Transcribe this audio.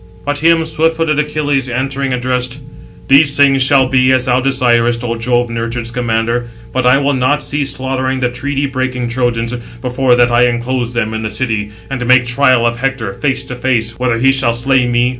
But him swift footed Achilles, answering, addressed: "These things shall be as thou desirest, O Jove nurtured Scamander. But I will not cease slaughtering the treaty breaking 678 Trojans, before that I enclose them in the city, and make trial of Hector, face to face, whether he shall slay me, or I him."